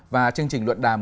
và chương trình luận đàm